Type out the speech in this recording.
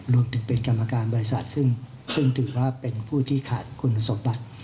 รวมถึงเป็นกรรมการบริษัทซึ่งถือว่าเป็นผู้ที่ขาดคุณสมบัติ